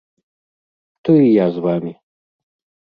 То і я з вамі.